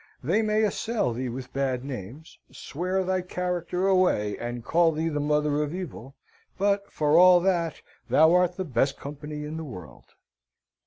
They may assail thee with bad names swear thy character away, and call thee the Mother of Evil; but, for all that, thou art the best company in the world!